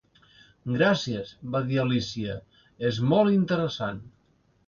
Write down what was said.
"Gràcies", va dir Alícia, "és molt interessant".